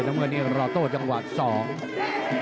น้ำเงินเนี่ยรอโตจังหวัก๒